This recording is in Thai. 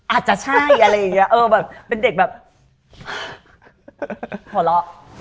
อาจจะใช่อะไรอย่างเงี้ยเป็นเด็กแบบโผล่ละ